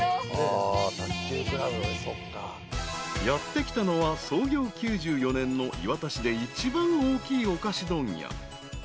［やって来たのは創業９４年の磐田市で一番大きいお菓子問屋］